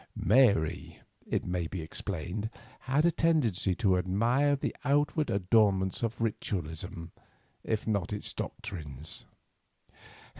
Mary, it may be explained, had a tendency to admire the outward adornments of ritualism if not its doctrines.